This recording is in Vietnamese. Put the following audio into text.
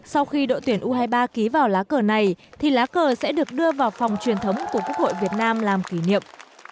sau khi đội tuyển u hai mươi ba ký vào lá cờ này thì lá cờ sẽ được đưa vào phòng truyền thống của quốc hội việt nam làm kỷ niệm